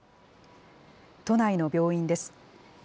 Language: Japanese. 都内の病院です。